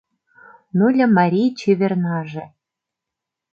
Ноля марий чевернаже